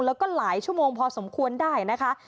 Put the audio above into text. แล้วก็หลายชั่วโมงพอสมควรได้นะคะ